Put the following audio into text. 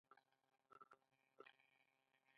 ایا راډیو اورئ؟